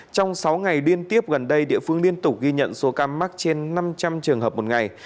trong sáu ngày liên tiếp gần đây địa phương liên tục ghi nhận số ca mắc trên năm trăm linh trường hợp một ngày